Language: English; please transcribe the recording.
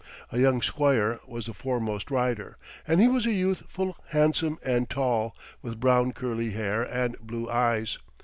A young squire was the foremost rider, and he was a youth full handsome and tall, with brown curly hair and blue eyes.